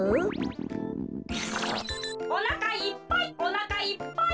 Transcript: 「おなかいっぱいおなかいっぱい！」。